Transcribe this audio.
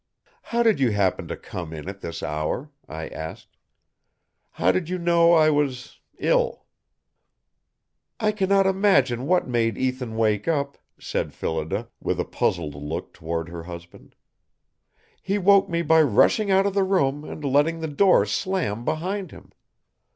"How did you happen to come in at this hour?" I asked. "How did you know I was ill?" "I cannot imagine what made Ethan wake up," said Phillida, with a puzzled look toward her husband. "He woke me by rushing out of the room and letting the door slam behind him.